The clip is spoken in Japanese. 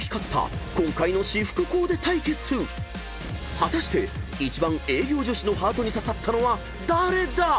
［果たして一番営業女子のハートに刺さったのは誰だ⁉］